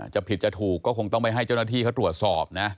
จะผิดจะถูกก็คงต้องไปให้เจ้าหน้าที่เขาตรวจสอบนะ